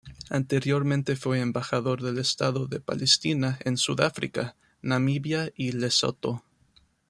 Anteriormente fue embajador del Estado de Palestina en Sudáfrica, Namibia y Lesoto.